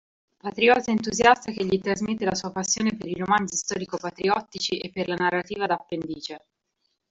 Patriota entusiasta che gli trasmette la sua passione per i romanzi storico-patriottici e per la narrativa d'appendice.